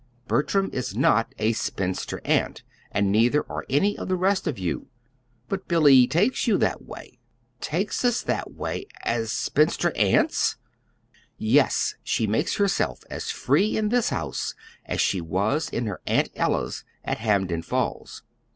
Bertram is not a spinster aunt, and neither are any of the rest of you. But Billy takes you that way." "Takes us that way as spinster aunts!" "Yes. She makes herself as free in this house as she was in her Aunt Ella's at Hampden Falls.